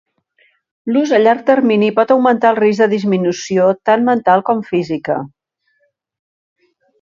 L'ús a llarg termini pot augmentar el risc de disminució tant mental com física.